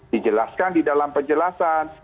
dijelaskan di dalam penjelasan